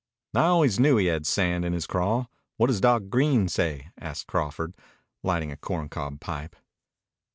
"I always knew he had sand in his craw. What does Doc Green say?" asked Crawford, lighting a corncob pipe.